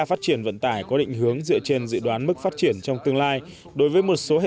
phát triển vận tải có định hướng dựa trên dự đoán mức phát triển trong tương lai đối với một số hệ